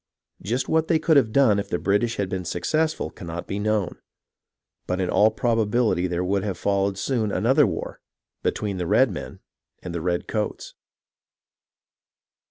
Just what they could have done if the British had been successful cannot be known ; but in all probability there would have followed soon another war between the redmcn and the redcoats.